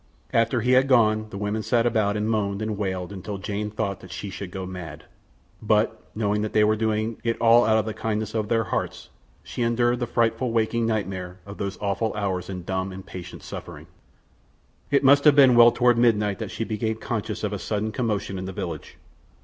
After he had gone the women sat about and moaned and wailed until Jane thought that she should go mad; but, knowing that they were doing it all out of the kindness of their hearts, she endured the frightful waking nightmare of those awful hours in dumb and patient suffering. It must have been well toward midnight that she became conscious of a sudden commotion in the village.